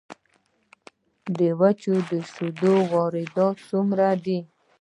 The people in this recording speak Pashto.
د وچو شیدو واردات څومره دي؟